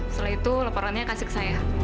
setelah itu laporannya kasih ke saya